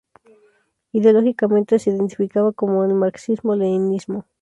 Ideológicamente, se identificaba con el marxismo-leninismo.